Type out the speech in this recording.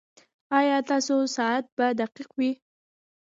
ایا ستاسو ساعت به دقیق وي؟